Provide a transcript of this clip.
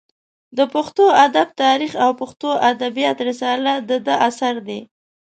د پښتو ادب تاریخ او پښتو ادبیات رساله د ده اثار دي.